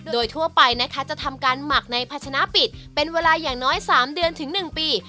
โดยทั่วไปนะคะจะทำการหมักในภาชนะปิดเป็นเวลาอย่างน้อย๓เดือนถึง๑ปี